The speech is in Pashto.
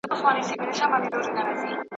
له هرې سختۍ وروسته راحت دی.